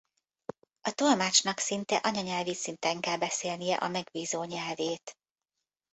A tolmácsnak szinte anyanyelvi szinten kell beszélnie a megbízó nyelvét.